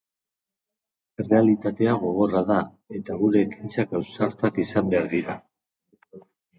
Errealitatea gogorra da eta gure ekintzak ausartak izan behar dira.